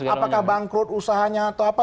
apakah bangkrut usahanya atau apa